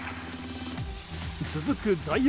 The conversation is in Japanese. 続く第４